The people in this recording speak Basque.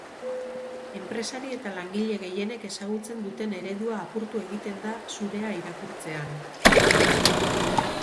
Enpresari eta langile gehienek ezagutzen duten eredua apurtu egiten da zurea irakurtzean.